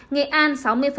nghệ an sáu mươi